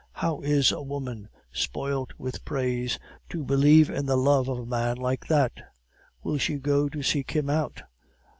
How is a woman, spoilt with praise, to believe in the love of a man like that? Will she go to seek him out?